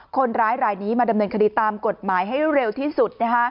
คนร้ายรายนี้มาดำเนินคดีตามกฎหมายให้เร็วที่สุด